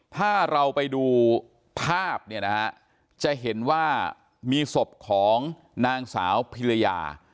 ถ้าเราไปดูภาพเนี่ยนะฮะจะเห็นว่ามีศพของนางสาวพิรยา